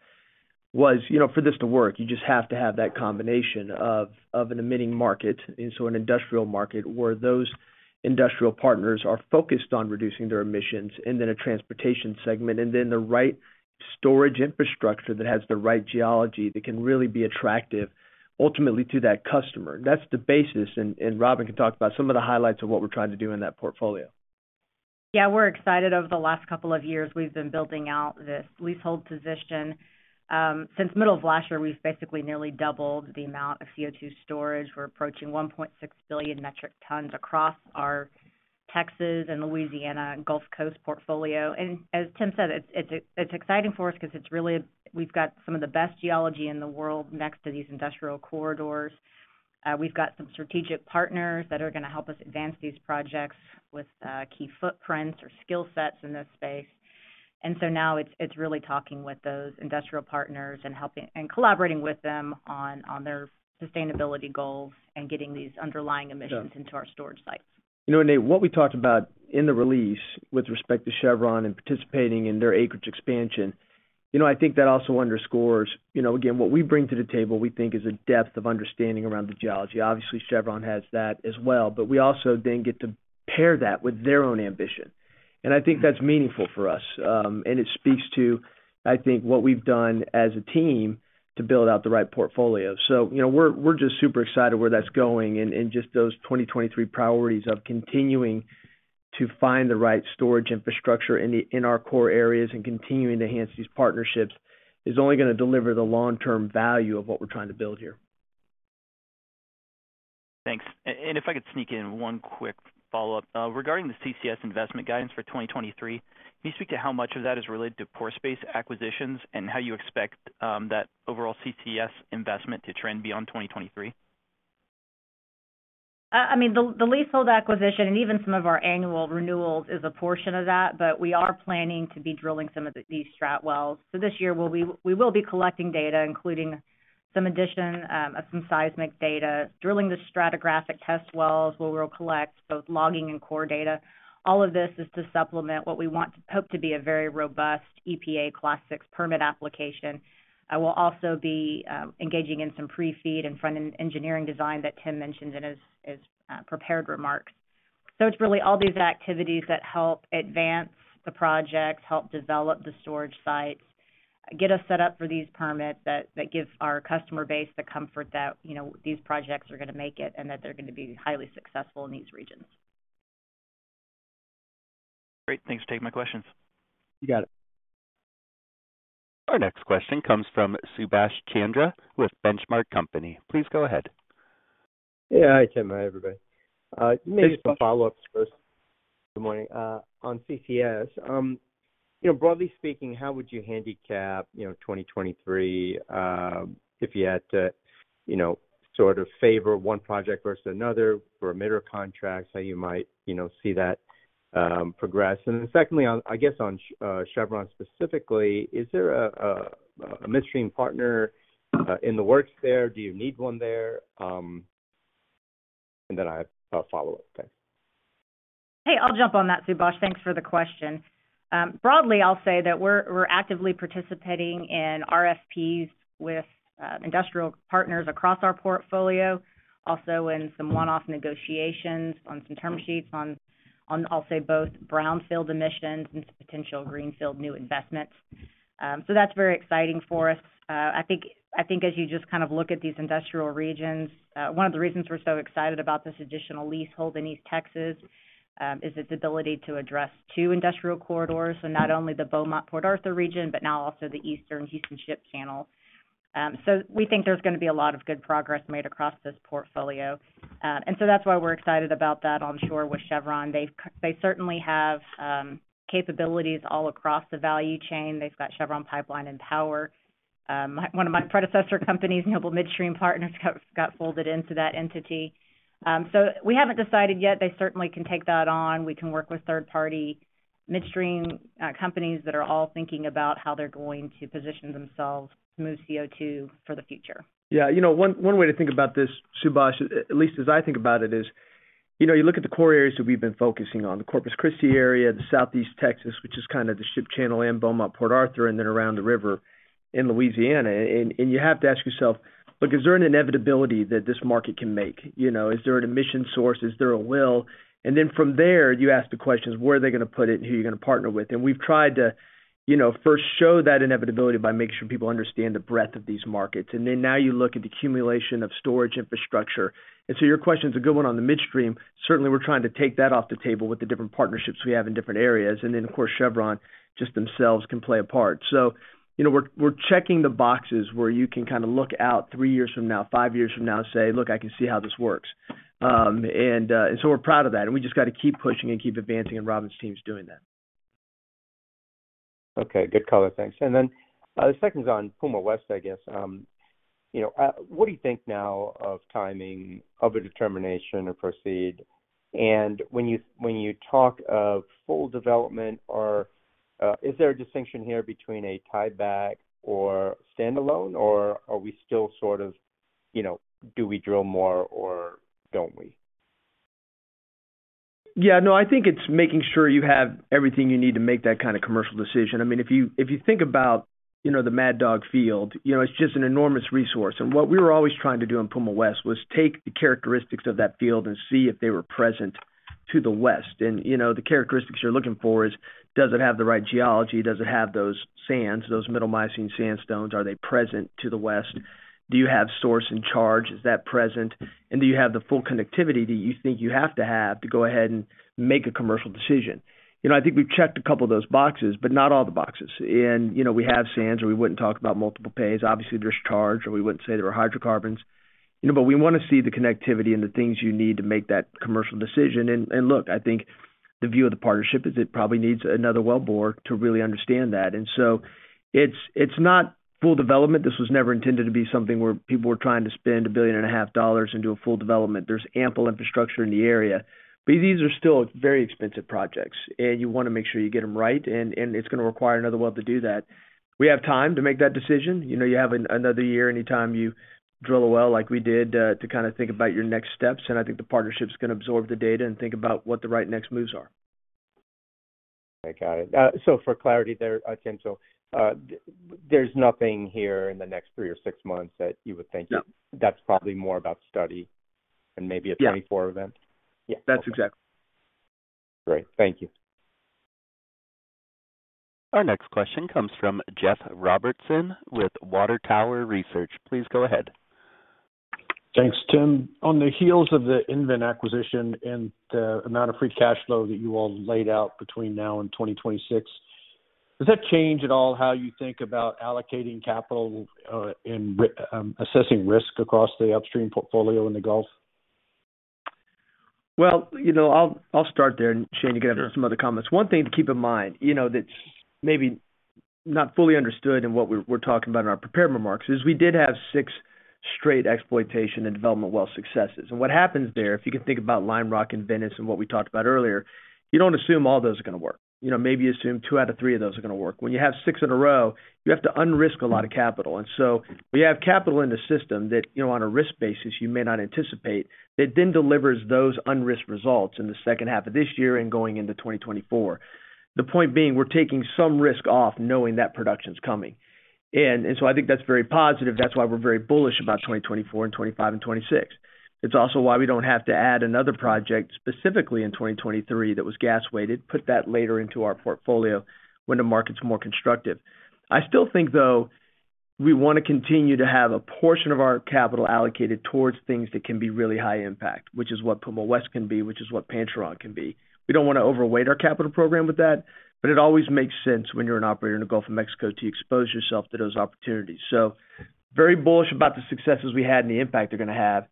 was, you know, for this to work, you just have to have that combination of an emitting market, an industrial market where those industrial partners are focused on reducing their emissions, a transportation segment, the right storage infrastructure that has the right geology that can really be attractive ultimately to that customer. That's the basis, and Robin can talk about some of the highlights of what we're trying to do in that portfolio. Yeah, we're excited. Over the last couple of years, we've been building out this leasehold position. Since middle of last year, we've basically nearly doubled the amount of CO2 storage. We're approaching 1.6 billion metric tons across our Texas and Louisiana Gulf Coast portfolio. As Tim said, it's exciting for us 'cause it's really we've got some of the best geology in the world next to these industrial corridors. We've got some strategic partners that are gonna help us advance these projects with key footprints or skill sets in this space. Now it's really talking with those industrial partners and collaborating with them on their sustainability goals and getting these underlying emissions into our storage sites. You know, Nate, what we talked about in the release with respect to Chevron and participating in their acreage expansion. You know, I think that also underscores, you know, again, what we bring to the table, we think is a depth of understanding around the geology. Obviously, Chevron has that as well, we also then get to pair that with their own ambition. I think that's meaningful for us. It speaks to, I think, what we've done as a team to build out the right portfolio. You know, we're just super excited where that's going and just those 2023 priorities of continuing to find the right storage infrastructure in our core areas and continuing to enhance these partnerships is only gonna deliver the long-term value of what we're trying to build here. Thanks. If I could sneak in one quick follow-up. Regarding the CCS investment guidance for 2023, can you speak to how much of that is related to pore space acquisitions and how you expect that overall CCS investment to trend beyond 2023? I mean, the leasehold acquisition and even some of our annual renewals is a portion of that, but we are planning to be drilling these strat wells. This year, we will be collecting data, including some addition of some seismic data. Drilling the stratigraphic test wells where we will collect both logging and core data. All of this is to supplement what we hope to be a very robust EPA Class VI permit application. I will also be engaging in some pre-FEED and front-end engineering design that Tim mentioned in his prepared remarks. It's really all these activities that help advance the projects, help develop the storage sites, get us set up for these permits that give our customer base the comfort that, you know, these projects are gonna make it and that they're gonna be highly successful in these regions. Great. Thanks for taking my questions. You got it. Our next question comes from Subash Chandra with The Benchmark Company. Please go ahead. Yeah. Hi, Tim. Hi, everybody. Maybe some follow-ups first. Good morning. On CCS, you know, broadly speaking, how would you handicap, you know, 2023, if you had to, you know, sort of favor one project versus another for emitter contracts, how you might, you know, see that, progress? Secondly, I guess on Chevron specifically, is there a midstream partner in the works there? Do you need one there? I have a follow-up. Thanks. Hey, I'll jump on that, Subash. Thanks for the question. Broadly, I'll say that we're actively participating in RFPs with industrial partners across our portfolio, also in some one-off negotiations on some term sheets on I'll say both brownfield emissions and potential greenfield new investments. That's very exciting for us. I think as you just kind of look at these industrial regions, one of the reasons we're so excited about this additional leasehold in East Texas, is its ability to address two industrial corridors. Not only the Beaumont-Port Arthur region, but now also the eastern Houston Ship Channel. We think there's gonna be a lot of good progress made across this portfolio. That's why we're excited about that onshore with Chevron. They certainly have capabilities all across the value chain. They've got Chevron Pipeline and Power. One of my predecessor companies, Noble Midstream Partners, got folded into that entity. We haven't decided yet. They certainly can take that on. We can work with third-party midstream companies that are all thinking about how they're going to position themselves to move CO2 for the future. Yeah, you know, one way to think about this, Subash, at least as I think about it, is, you know, you look at the core areas that we've been focusing on, the Corpus Christi area, the Southeast Texas, which is kind of the ship channel and Beaumont-Port Arthur, and then around the river in Louisiana. You have to ask yourself, look, is there an inevitability that this market can make? You know, is there an emission source? Is there a will? From there, you ask the questions, where are they gonna put it and who are you gonna partner with? We've tried to, you know, first show that inevitability by making sure people understand the breadth of these markets. Now you look at the accumulation of storage infrastructure. Your question's a good one on the midstream. Certainly, we're trying to take that off the table with the different partnerships we have in different areas. Of course, Chevron just themselves can play a part. You know, we're checking the boxes where you can kind of look out three years from now, five years from now, say, "Look, I can see how this works." We're proud of that, and we just gotta keep pushing and keep advancing, and Robin's team's doing that. Okay. Good color. Thanks. The second's on Puma West, I guess. You know, what do you think now of timing of a determination to proceed? When you talk of full development or, is there a distinction here between a tieback or standalone, or are we still sort of, you know, do we drill more or don't we? Yeah, no, I think it's making sure you have everything you need to make that kind of commercial decision. I mean, if you, if you think about, you know, the Mad Dog field, you know, it's just an enormous resource. What we were always trying to do in Puma West was take the characteristics of that field and see if they were present to the west. You know, the characteristics you're looking for is, does it have the right geology? Does it have those sands, those Middle Miocene sandstones? Are they present to the west? Do you have source and charge? Is that present? Do you have the full connectivity that you think you have to have to go ahead and make a commercial decision? You know, I think we've checked a couple of those boxes, but not all the boxes. You know, we have sands or we wouldn't talk about multiple pays. Obviously, there's charge or we wouldn't say there were hydrocarbons. You know, we wanna see the connectivity and the things you need to make that commercial decision. Look, I think the view of the partnership is it probably needs another wellbore to really understand that. So it's not full development. This was never intended to be something where people were trying to spend a billion and a half dollars into a full development. There's ample infrastructure in the area. These are still very expensive projects, and you wanna make sure you get them right, and it's gonna require another well to do that. We have time to make that decision. You know, you have another year anytime you drill a well like we did, to kind of think about your next steps, and I think the partnership's gonna absorb the data and think about what the right next moves are. I got it. For clarity there, Tim. There's nothing here in the next three or six months that you would think. No. That's probably more about study and maybe. Yeah 24 event. Yeah. That's exactly. Great. Thank you. Our next question comes from Jeffrey Robertson with Water Tower Research. Please go ahead. Thanks, Tim. On the heels of the EnVen acquisition and the amount of free cash flow that you all laid out between now and 2026, does that change at all how you think about allocating capital, and assessing risk across the upstream portfolio in the Gulf? Well, you know, I'll start there. Shane, you can add some other comments. One thing to keep in mind, you know, that's maybe not fully understood in what we're talking about in our prepared remarks, is we did have six straight exploitation and development well successes. What happens there, if you can think about Lime Rock and Venice and what we talked about earlier, you don't assume all those are gonna work. You know, maybe you assume two out of three of those are gonna work. When you have six in a row, you have to unrisk a lot of capital. We have capital in the system that, you know, on a risk basis, you may not anticipate, that then delivers those unrisked results in the second half of this year and going into 2024. The point being, we're taking some risk off knowing that production's coming. I think that's very positive. That's why we're very bullish about 2024 and 2025 and 2026. It's also why we don't have to add another project specifically in 2023 that was gas weighted, put that later into our portfolio when the market's more constructive. I still think, though, we wanna continue to have a portion of our capital allocated towards things that can be really high impact, which is what Puma West can be, which is what Pancheron can be. We don't wanna overweight our capital program with that, but it always makes sense when you're an operator in the Gulf of Mexico to expose yourself to those opportunities. Very bullish about the successes we had and the impact they're gonna have.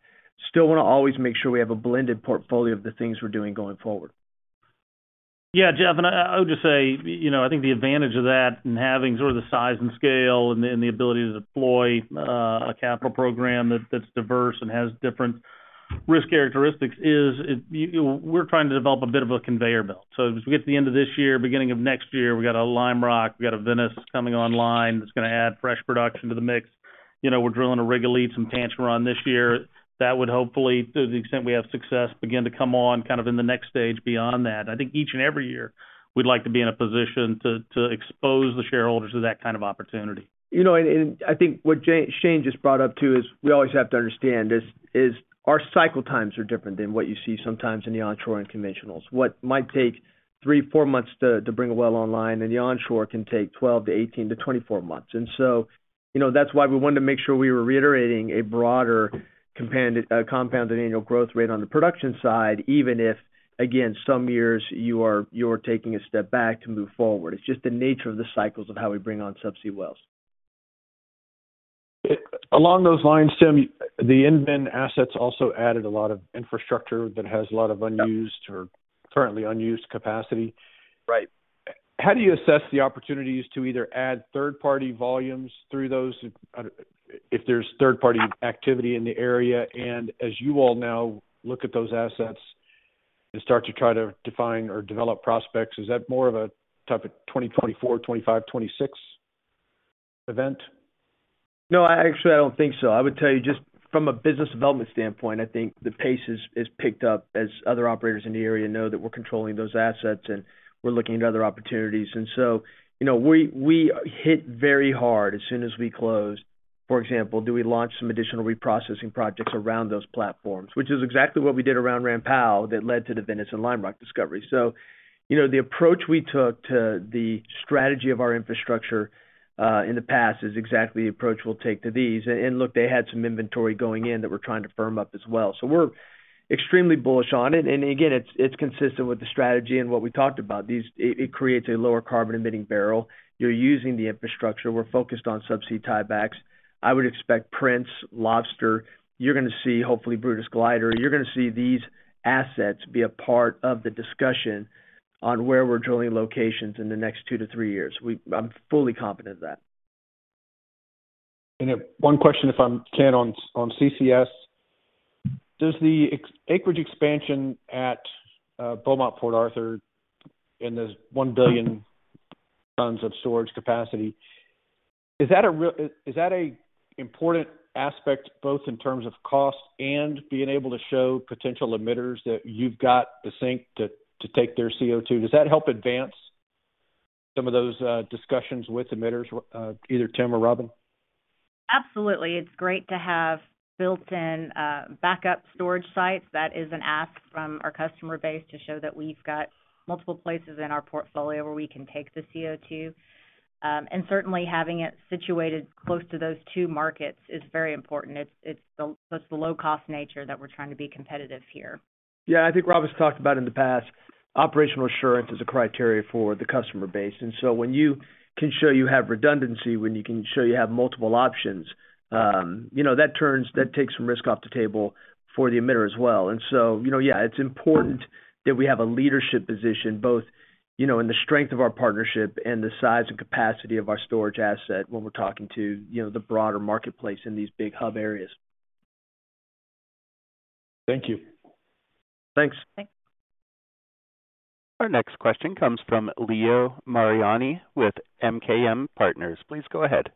Still wanna always make sure we have a blended portfolio of the things we're doing going forward. Yeah, Jeff, and I would just say, you know, I think the advantage of that and having sort of the size and scale and the ability to deploy a capital program that's diverse and has different risk characteristics. We're trying to develop a bit of a conveyor belt. As we get to the end of this year, beginning of next year, we got a Lime Rock, we got a Venice coming online that's gonna add fresh production to the mix. You know, we're drilling a Rigolets, some Pancheron this year that would hopefully, to the extent we have success, begin to come on kind of in the next stage beyond that. I think each and every year, we'd like to be in a position to expose the shareholders to that kind of opportunity. You know, I think what Shane just brought up too is our cycle times are different than what you see sometimes in the onshore and conventionals. What might take 3-4 months to bring a well online in the onshore can take 12-18 to 24 months. So, you know, that's why we wanted to make sure we were reiterating a broader compounded annual growth rate on the production side, even if, again, some years you are taking a step back to move forward. It's just the nature of the cycles of how we bring on subsea wells. Along those lines, Tim, the EnVen assets also added a lot of infrastructure that has a lot of unused or currently unused capacity. Right. How do you assess the opportunities to either add third-party volumes through those, if there's third-party activity in the area? As you all now look at those assets and start to try to define or develop prospects, is that more of a type of 2024, 2025, 2026 event? No, actually, I don't think so. I would tell you just from a business development standpoint, I think the pace is picked up as other operators in the area know that we're controlling those assets and we're looking at other opportunities. You know, we hit very hard as soon as we closed. For example, do we launch some additional reprocessing projects around those platforms, which is exactly what we did around Ram Powell that led to the Venice and Lime Rock discovery. You know, the approach we took to the strategy of our infrastructure in the past is exactly the approach we'll take to these. Look, they had some inventory going in that we're trying to firm up as well. We're extremely bullish on it. Again, it's consistent with the strategy and what we talked about. It creates a lower carbon emitting barrel. You're using the infrastructure. We're focused on subsea tiebacks. I would expect Prince, Lobster, you're gonna see hopefully Brutus or Glider. You're gonna see these assets be a part of the discussion on where we're drilling locations in the next 2-3 years. I'm fully confident of that. One question, if I can, on CCS. Does the acreage expansion at Beaumont, Port Arthur, and this 1 billion tons of storage capacity, is that a important aspect both in terms of cost and being able to show potential emitters that you've got the sink to take their CO2? Does that help advance some of those discussions with emitters, either Tim or Robin? Absolutely. It's great to have built-in, backup storage sites. That is an ask from our customer base to show that we've got multiple places in our portfolio where we can take the CO2. Certainly having it situated close to those two markets is very important. It's the low-cost nature that we're trying to be competitive here. Yeah. I think Rob has talked about in the past, operational assurance is a criteria for the customer base. When you can show you have redundancy, when you can show you have multiple options, you know, that takes some risk off the table for the emitter as well. You know, yeah, it's important that we have a leadership position both, you know, in the strength of our partnership and the size and capacity of our storage asset when we're talking to, you know, the broader marketplace in these big hub areas. Thank you. Thanks. Thanks. Our next question comes from Leo Mariani with MKM Partners. Please go ahead.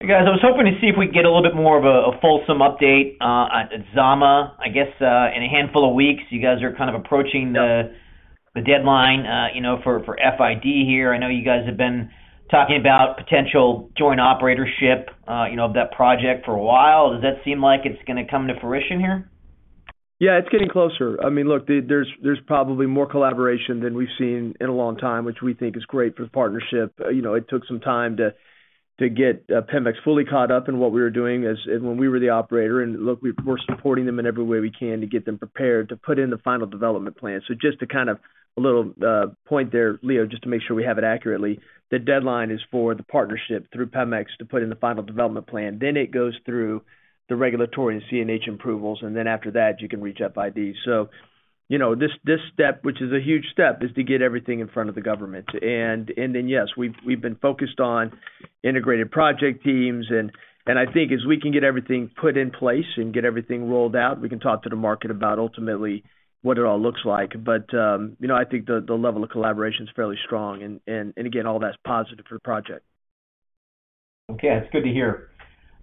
Hey guys, I was hoping to see if we could get a little bit more of a fulsome update on Zama. I guess in a handful of weeks, you guys are kind of approaching the deadline, you know, for FID here. I know you guys have been talking about potential joint operatorship, you know, of that project for a while. Does that seem like it's gonna come to fruition here? Yeah, it's getting closer. I mean, look, there's probably more collaboration than we've seen in a long time, which we think is great for the partnership. You know, it took some time to get Pemex fully caught up in what we were doing when we were the operator. Look, we're supporting them in every way we can to get them prepared to put in the final development plan. Just to kind of a little point there, Leo, just to make sure we have it accurately, the deadline is for the partnership through Pemex to put in the final development plan. It goes through the regulatory and CNH approvals, after that, you can reach FID. You know, this step, which is a huge step, is to get everything in front of the government. Yes, we've been focused on integrated project teams. I think as we can get everything put in place and get everything rolled out, we can talk to the market about ultimately what it all looks like. You know, I think the level of collaboration is fairly strong and again, all that's positive for the project. Okay. That's good to hear.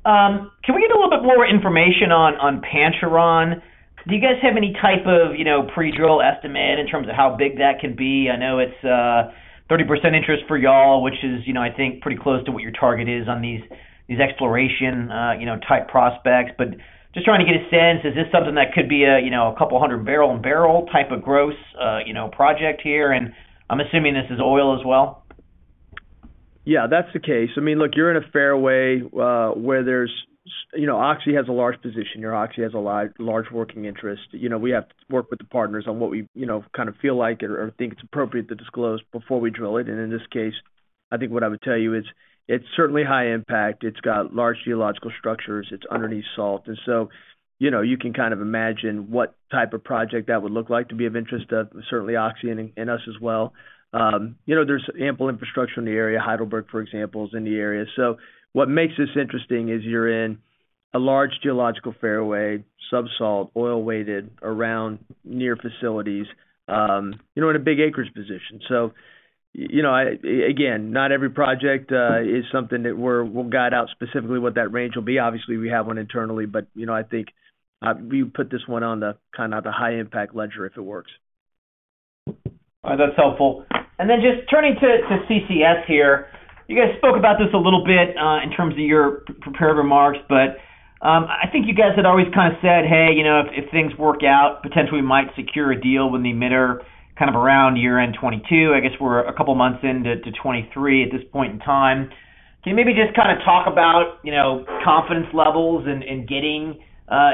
Can we get a little bit more information on Pancheron? Do you guys have any type of, you know, pre-FEED estimate in terms of how big that could be? I know it's 30% interest for y'all, which is, you know, I think pretty close to what your target is on these exploration, you know, type prospects. Just trying to get a sense, is this something that could be a, you know, a couple hundred barrel type of gross, you know, project here? I'm assuming this is oil as well. Yeah, that's the case. I mean, look, you're in a fairway, where there's you know, Oxy has a large position here. Oxy has a large working interest. You know, we have to work with the partners on what we, you know, kind of feel like or think it's appropriate to disclose before we drill it. In this case, I think what I would tell you is it's certainly high impact. It's got large geological structures. It's underneath salt. You know, you can kind of imagine what type of project that would look like to be of interest to certainly Oxy and us as well. You know, there's ample infrastructure in the area. Heidelberg, for example, is in the area. What makes this interesting is you're in a large geological fairway, sub-salt, oil weighted, around near facilities, you know, in a big acreage position. You know, again, not every project is something that we'll guide out specifically what that range will be. Obviously, we have one internally, but, you know, I think, we put this one on the kind of the high impact ledger if it works. All right. That's helpful. Just turning to CCS here. You guys spoke about this a little bit in terms of your prepared remarks. I think you guys had always kind of said, "Hey, you know, if things work out, potentially we might secure a deal with the emitter kind of around year-end 2022." I guess we're a couple of months into 2023 at this point in time. Can you maybe just kind of talk about, you know, confidence levels in getting,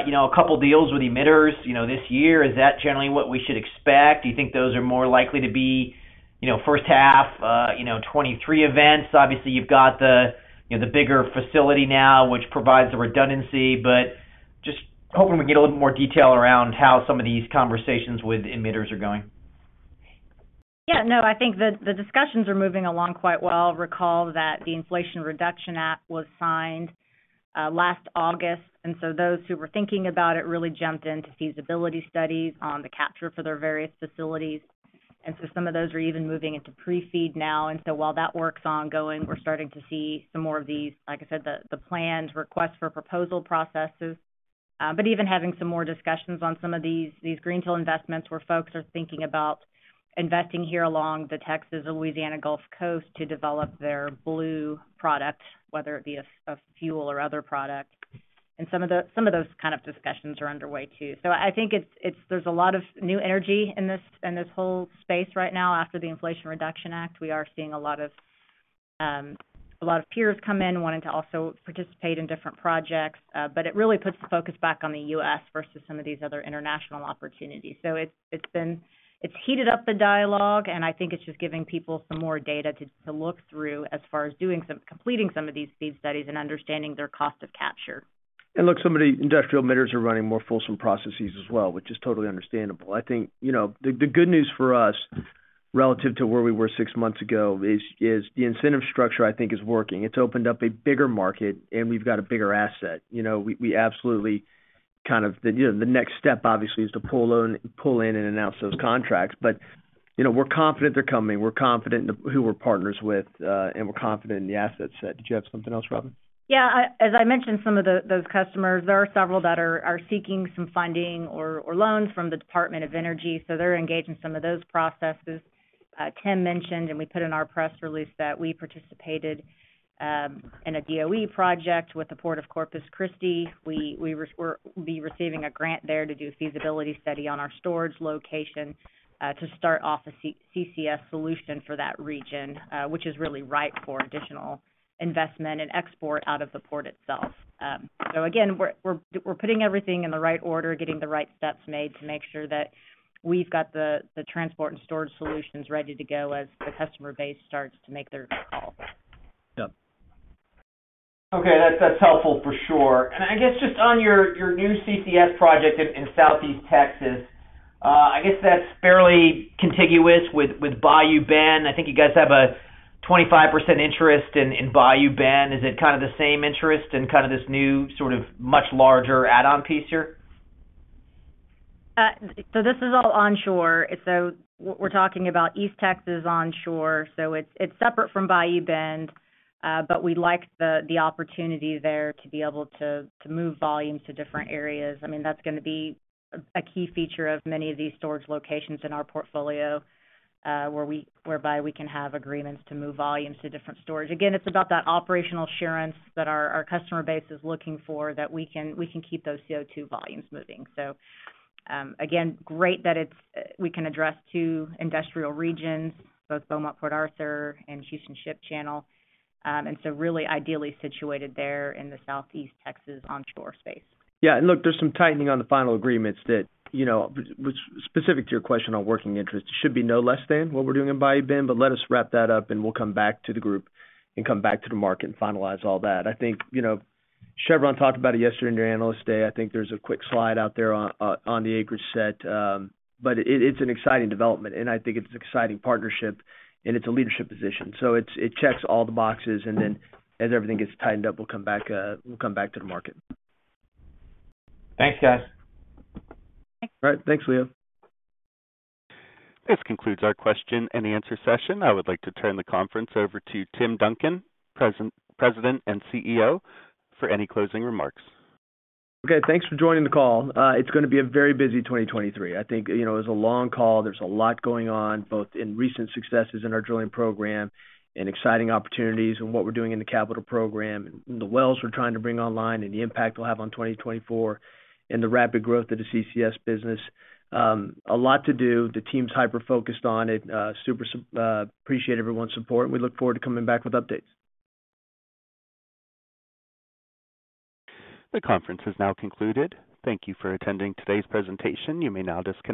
you know, a couple deals with emitters, you know, this year? Is that generally what we should expect? Do you think those are more likely to be, you know, first half, you know, 2023 events? Obviously, you've got the, you know, the bigger facility now, which provides the redundancy. Just hoping we can get a little more detail around how some of these conversations with emitters are going. I think the discussions are moving along quite well. Recall that the Inflation Reduction Act was signed last August, those who were thinking about it really jumped into feasibility studies on the capture for their various facilities. Some of those are even moving into pre-FEED now. While that work's ongoing, we're starting to see some more of these, like I said, the planned Requests for Proposals processes. Even having some more discussions on some of these greenfield investments where folks are thinking about investing here along the Texas and Louisiana Gulf Coast to develop their blue product, whether it be a fuel or other product. Some of those kind of discussions are underway too. I think there's a lot of new energy in this whole space right now after the Inflation Reduction Act. We are seeing a lot of peers come in wanting to also participate in different projects. But it really puts the focus back on the U.S. versus some of these other international opportunities. It's heated up the dialogue, and I think it's just giving people some more data to look through as far as completing some of these FEED studies and understanding their cost of capture. Look, some of the industrial emitters are running more fulsome processes as well, which is totally understandable. I think, you know, the good news for us relative to where we were six months ago is the incentive structure I think is working. It's opened up a bigger market and we've got a bigger asset. You know, we absolutely, you know, the next step obviously is to pull in and announce those contracts. You know, we're confident they're coming. We're confident in who we're partners with, and we're confident in the asset set. Did you have something else, Robin? Yeah. As I mentioned, some of those customers, there are several that are seeking some funding or loans from the Department of Energy, they're engaged in some of those processes. Tim mentioned, and we put in our press release that we participated in a DOE project with the Port of Corpus Christi. We're receiving a grant there to do a feasibility study on our storage location to start off a CCS solution for that region, which is really ripe for additional investment and export out of the Port itself. Again, we're putting everything in the right order, getting the right steps made to make sure that we've got the transport and storage solutions ready to go as the customer base starts to make their calls. Yeah. Okay. That's helpful for sure. I guess just on your new CCS project in Southeast Texas, I guess that's fairly contiguous with Bayou Bend. I think you guys have a 25% interest in Bayou Bend. Is it kind of the same interest in kind of this new sort of much larger add-on piece here? This is all onshore. We're talking about East Texas onshore, it's separate from Bayou Bend. We like the opportunity there to be able to move volumes to different areas. I mean, that's going to be a key feature of many of these storage locations in our portfolio, whereby we can have agreements to move volumes to different storage. Again, it's about that operational assurance that our customer base is looking for that we can keep those CO2 volumes moving. Again, great that we can address two industrial regions, both Beaumont, Port Arthur and Houston Ship Channel. Really ideally situated there in the Southeast Texas onshore space. Yeah. Look, there's some tightening on the final agreements that, you know, specific to your question on working interest, should be no less than what we're doing in Bayou Bend. Let us wrap that up and we'll come back to the group and come back to the market and finalize all that. I think, you know, Chevron talked about it yesterday in their Analyst Day. I think there's a quick slide out there on the acreage set. It, it's an exciting development. I think it's an exciting partnership. It's a leadership position. It's, it checks all the boxes. Then as everything gets tightened up, we'll come back, we'll come back to the market. Thanks, guys. Thanks. All right. Thanks, Leo. This concludes our question and answer session. I would like to turn the conference over to Tim Duncan, President and CEO, for any closing remarks. Okay. Thanks for joining the call. It's gonna be a very busy 2023. I think, you know, it was a long call. There's a lot going on, both in recent successes in our drilling program and exciting opportunities and what we're doing in the capital program and the wells we're trying to bring online and the impact it'll have on 2024 and the rapid growth of the CCS business. A lot to do. The team's hyper-focused on it. Appreciate everyone's support. We look forward to coming back with updates. The conference has now concluded. Thank you for attending today's presentation. You may now disconnect.